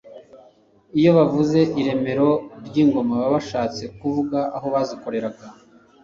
Iyo bavuze iremero ry'ingoma, baba bashatse kuvuga aho bazikoreraga .